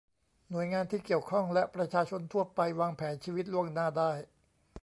หน่วยงานที่เกี่ยวข้องและประชาชนทั่วไปวางแผนชีวิตล่วงหน้าได้